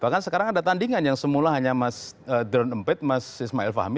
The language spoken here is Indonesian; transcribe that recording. bahkan sekarang ada tandingan yang semula hanya mas drone empet mas ismail fahmi